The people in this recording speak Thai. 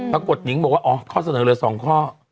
ปรากฏนิงบอกว่าอ๋อข้อเสนอเหลือ๒ข้อ